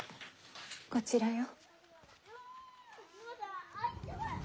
こちらよ。